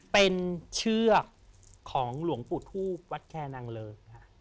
เป็นเชือกของหลวงปู่ทูบวัดแคนางเริงค่ะ